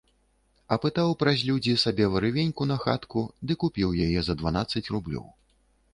Апытаў праз людзі сабе варывеньку на хатку ды купіў яе за дванаццаць рублёў.